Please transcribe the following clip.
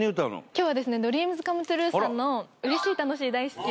今日はＤＲＥＡＭＳＣＯＭＥＴＲＵＥさんの「うれしい！たのしい！大好き！」